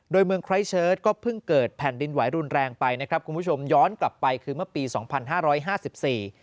โดยเมืองไคร้เชิดก็เพิ่งเกิดแผ่นดินไหวรุนแรงไปนะครับคุณผู้ชมย้อนกลับไปคือเมื่อปีสองพันห้าร้อยห้าสิบสี่